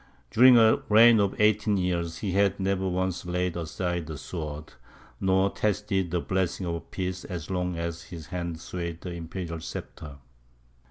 During a reign of eighteen years he had never once laid aside the sword, nor tasted the blessings of peace as long as his hand swayed the imperial sceptre.